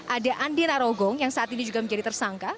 ada andi narogong yang saat ini juga menjadi tersangka